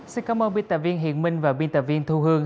xin cảm ơn biên tập viên hiền minh và biên tập viên thu hương